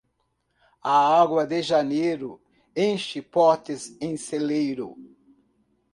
A água de janeiro enche potes e celeiro.